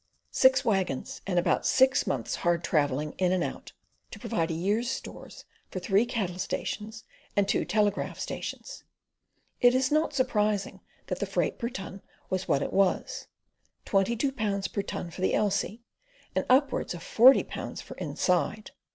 Six waggons, and about six months' hard travelling, in and out, to provide a year's stores for three cattle stations and two telegraph stations. It is not surprising that the freight per ton was what it was—twenty two pounds per ton for the Elsey, and upwards of forty pounds for "inside."